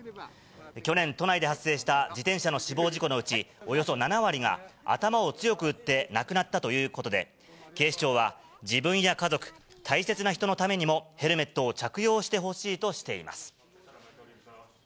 去年、都内で発生した自転車の死亡事故のうち、およそ７割が頭を強く打って亡くなったということで、警視庁は、自分や家族、大切な人のためにも、ヘルメットを着用してほしいとしています。